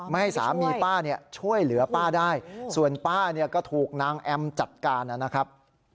ให้สามีป้าเนี่ยช่วยเหลือป้าได้ส่วนป้าเนี่ยก็ถูกนางแอมจัดการนะครับ